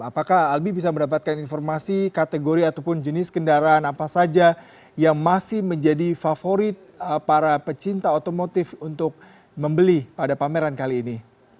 apakah albi bisa mendapatkan informasi kategori ataupun jenis kendaraan apa saja yang masih menjadi favorit para pecinta otomotif untuk membeli pada pameran kali ini